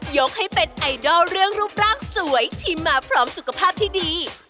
ยกให้เป็นไอดอลเรื่องรูปร่างสวยที่มาพร้อมสุขภาพที่ดี